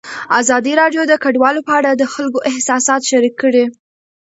ازادي راډیو د کډوال په اړه د خلکو احساسات شریک کړي.